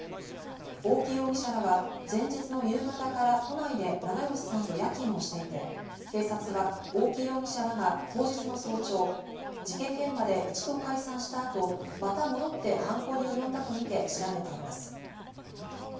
大木容疑者らは前日の夕方から都内で長葭さんと夜勤をしていて、警察は大木容疑者らが当日の早朝、事件現場で一度解散した後、また戻って犯行におよんだとみて調べています。